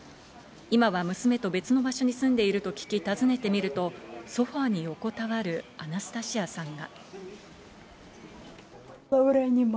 今は娘と別の場所に住んでいると聞きたずねてみると、ソファに横たわるアナスタシアさんが。